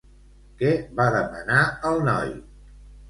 Què va demanar el noi?